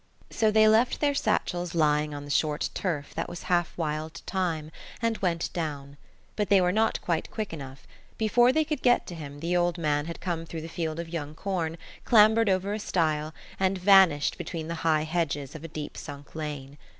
So they left their satchels lying on the short turf, that was half wild thyme, and went down. But they were not quite quick enough; before they could get to him the old man had come through the field of young corn, clambered over a stile, and vanished between the high hedges of a deep sunk lane.